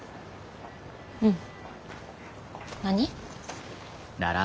うん。何？